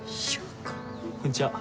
こんちは。